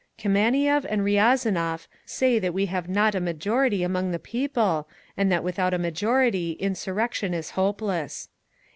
Kameniev and Riazanov say that we have not a majority among the people, and that without a majority insurrection is hopeless.